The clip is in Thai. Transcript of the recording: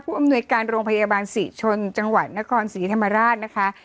อำนวยการโรงพยาบาลศรีชนจังหวัดนครศรีธรรมราชนะคะ